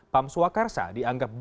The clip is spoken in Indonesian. pam sua karsa